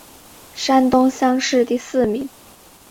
山东乡试第四名。